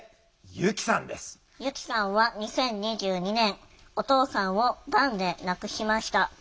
由希さんは２０２２年お父さんをがんで亡くしました。